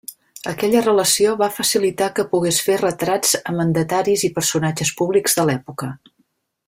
Aquella relació va facilitar que pogués fer retrats a mandataris i personatges públics de l'època.